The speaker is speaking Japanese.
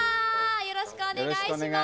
よろしくお願いします。